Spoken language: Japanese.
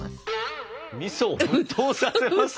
みそを沸騰させます？